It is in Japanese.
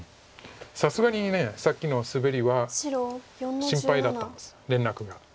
さすがにさっきのスベリは心配だったんです連絡が。